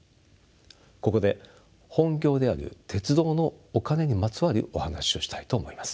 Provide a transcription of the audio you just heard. ここで本業である鉄道のお金にまつわるお話をしたいと思います。